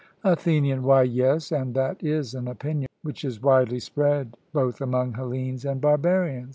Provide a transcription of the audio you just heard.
ATHENIAN: Why, yes; and that is an opinion which is widely spread both among Hellenes and barbarians.